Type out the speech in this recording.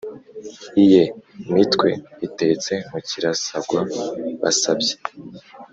iye mitwe itetse mu kirasagwa- basabyi.